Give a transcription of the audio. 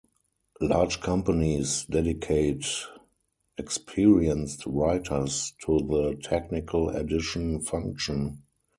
Large companies dedicate experienced writers to the technical editing function.